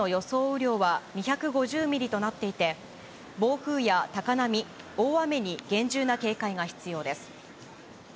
雨量は２５０ミリとなっていて、暴風や高波、大雨に厳重な警戒が必要です。